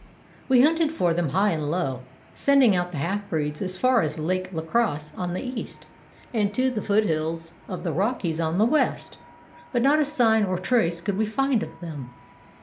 "We hunted for them high and low, sending out the half breeds as far as Lake La Crosse on the east, and to the foot hills of the Rockies on the west, but not a sign or trace could we find of them.